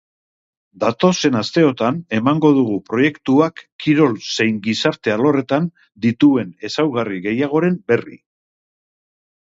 Datozen asteotan emango dugu proiektuak kirol zein gizarte alorretan dituen ezaugarri gehiagoren berri.